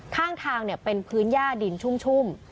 ข้างทางเป็นพื้นย่าดินชุ่ม